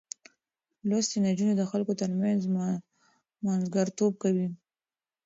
لوستې نجونې د خلکو ترمنځ منځګړتوب کوي.